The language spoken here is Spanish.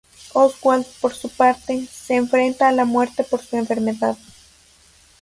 Oswald por su parte, se enfrenta a la muerte por su enfermedad.